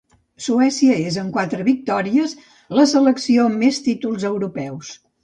Suècia és, amb quatre victòries, la selecció amb més títols europeus.